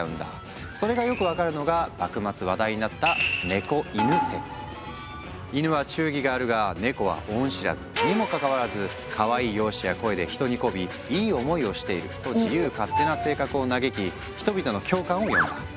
それがよく分かるのが幕末話題になった「イヌは忠義があるがネコは恩知らずにもかかわらずかわいい容姿や声で人にこびいい思いをしている」と自由勝手な性格を嘆き人々の共感を呼んだ。